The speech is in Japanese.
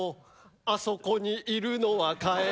あそこにいるのはかえるだよ」